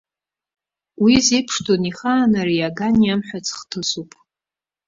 Уи зеиԥш адунеихаан ари аган иамҳәац хҭысуп.